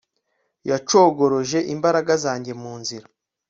yacogoreje imbaraga zanjye mu nzira